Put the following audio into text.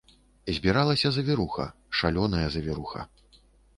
Збіралася завіруха, шалёная завіруха.